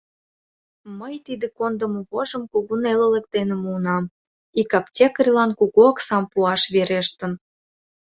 Мый тиде кондымо вожым кугу нелылык дене муынам: ик аптекарьлан кугу оксам пуаш верештын.